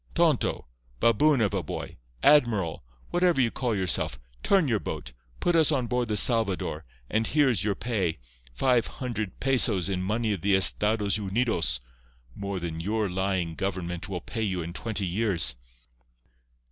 —tonto—baboon of a boy—admiral, whatever you call yourself, turn your boat. Put us on board the Salvador, and here is your pay—five hundred pesos in money of the Estados Unidos—more than your lying government will pay you in twenty years."